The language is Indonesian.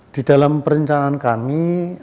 di dalam perencanaan kami